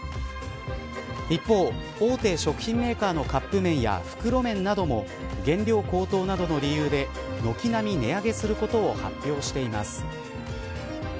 一方、大手食品メーカーのカップ麺や袋麺なども原料高騰などの理由で軒並み値上げすることを発表しています。